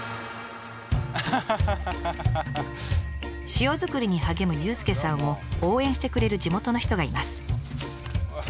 塩作りに励む佑介さんを応援してくれる地元の人がいます。